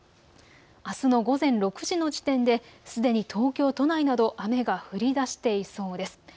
あすの午前６時の時点ですでに東京都内など雨が降りだしていそうです。